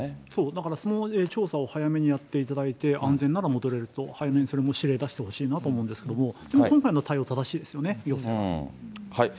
だからその調査を早めにやっていただいて、安全なら戻れると、早めにそれも指令出してほしいなと思うんですけれども、今回の対応、正しいですよね、行政の。